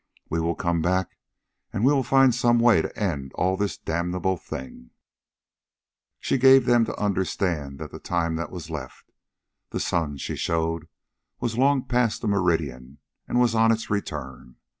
"We will come back, and we will find some way to end all this damnable thing." She gave them to understand the time that was left. The sun, she showed, was long past the meridian and was on its return.